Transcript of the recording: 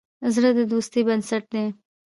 زړه د دوستی بنسټ دی.